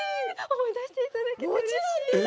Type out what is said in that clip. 思い出していただけてもちろんですよ！